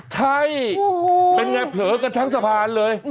ใช่เป็นไงเผลอกันทั้งสะพานเลย